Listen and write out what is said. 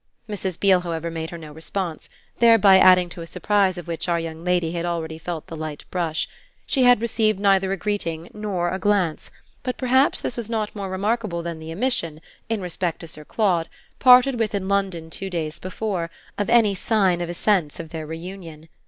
Mrs. Beale, however, made her no response, thereby adding to a surprise of which our young lady had already felt the light brush. She had received neither a greeting nor a glance, but perhaps this was not more remarkable than the omission, in respect to Sir Claude, parted with in London two days before, of any sign of a sense of their reunion.